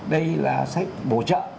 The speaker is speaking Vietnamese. đây là sách bổ trợ